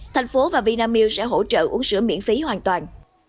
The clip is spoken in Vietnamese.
thành phố và vinamilk sẽ hỗ trợ uống sữa miễn phí hoàn toàn